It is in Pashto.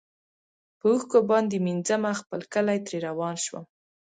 په اوښکو باندي مینځمه خپل کلی ترې روان شم